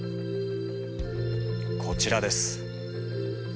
こちらです。